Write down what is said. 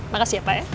makasih ya pak ya